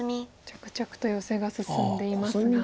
着々とヨセが進んでいますが。